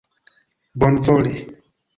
bonvole